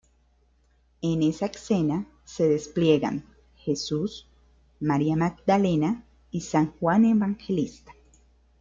En esa escena se despliegan Jesús, María Magdalena y San Juan Evangelista.